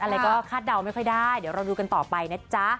อะไรก็คาดเดาไม่ค่อยได้เดี๋ยวเราดูกันต่อไปนะจ๊ะ